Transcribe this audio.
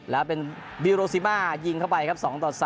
แล้วเป็นบิโรซิมาร์ยิงเข้าไปครับ